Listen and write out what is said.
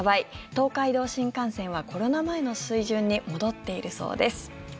東海道新幹線はコロナ前の水準に戻っているそうです。